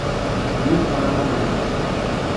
Rio Paranaíba